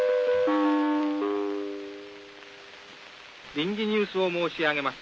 「臨時ニュースを申し上げます。